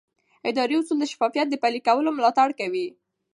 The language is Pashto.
اداري اصول د شفافیت د پلي کولو ملاتړ کوي.